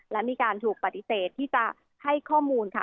และมีการถูกปฏิเสธที่จะให้ข้อมูลค่ะ